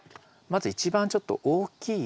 まず一番ちょっと大きい。